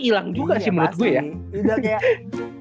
hilang juga sih menurut gue ya iya pasti